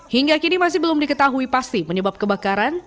hingga kini masih belum diketahui pasti menyebab kebakaran